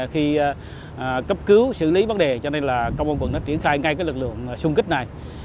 khi cấp cứu xử lý vấn đề công an quân triển khai ngay lực lượng xung kích này